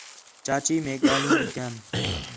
چاچی میک ڳاہلین ݙِیتیان